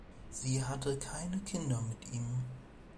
Sie hatte keine Kinder mit ihm.